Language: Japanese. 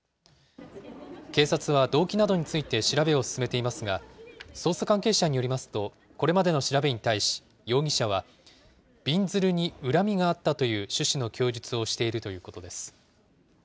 警察は動機などについて調べを進めていますが、捜査関係者によりますと、これまでの調べに対し、容疑者は、びんずるに恨みがあったという趣旨の供述をしているということです。